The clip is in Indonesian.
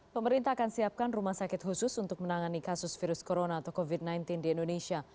pemerintah akan siapkan rumah sakit khusus untuk menangani kasus virus corona atau covid sembilan belas di indonesia